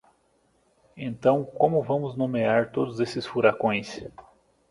Então, como vamos nomear todos esses furacões?